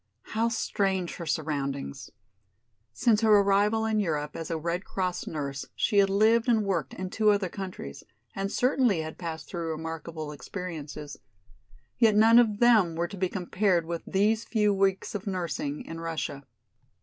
How strange her surroundings! Since her arrival in Europe as a Red Cross nurse she had lived and worked in two other countries and certainly had passed through remarkable experiences, yet none of them were to be compared with these few weeks of nursing in Russia.